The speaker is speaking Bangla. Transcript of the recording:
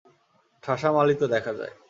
ঠাসা মালই তো দেখা যায়!